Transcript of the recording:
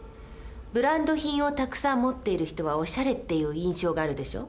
ブランド品をたくさん持っている人はオシャレっていう印象があるでしょ？